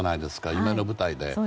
夢の舞台で。